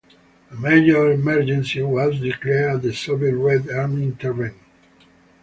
A major emergency was declared and the Soviet Red Army intervened.